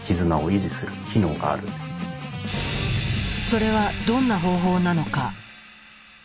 それはどんな方法なのか。